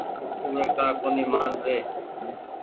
اُو وي ڪآ ڪونيٚ مآن ري۔